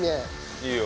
いいよ。